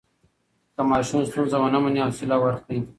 که ماشوم ستونزه ونه مني، حوصله ورکړئ.